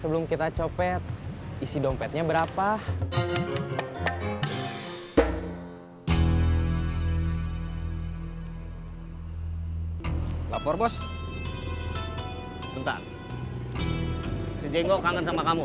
sebelum kita copet isi dompetnya berapa lapor bos bentar sejengok kangen sama kamu